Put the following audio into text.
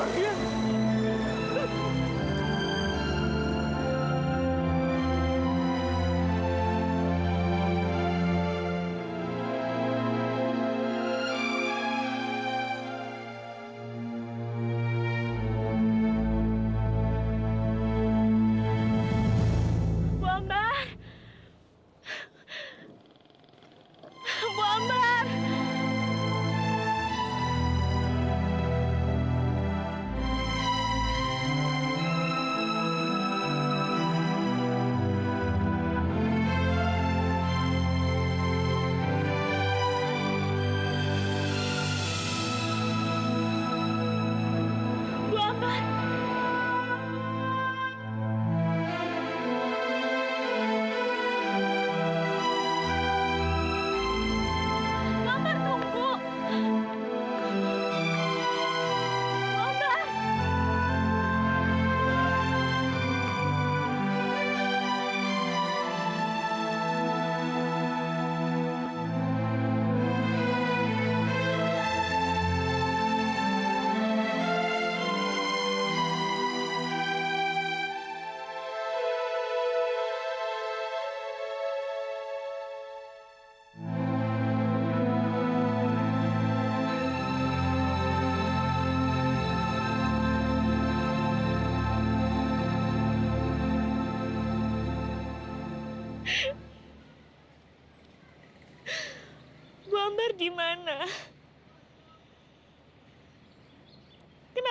kita akan berkenan